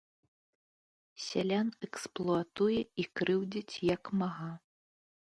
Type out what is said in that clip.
Сялян эксплуатуе і крыўдзіць як мага.